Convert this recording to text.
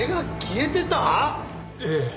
ええ。